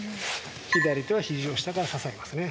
左手はひじの下から支えますね。